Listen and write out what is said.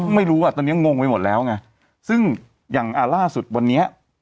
ไม่รู้ว่าตอนเนี้ยงงไปหมดแล้วไงซึ่งอย่างอ่าล่าสุดวันเนี้ยอ่ะ